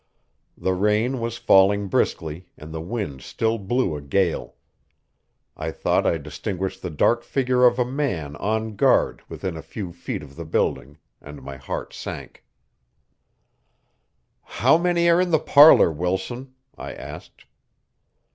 The rain was falling briskly, and the wind still blew a gale. I thought I distinguished the dark figure of a man on guard within a few feet of the building, and my heart sank. "How many are in the parlor, Wilson?" I asked.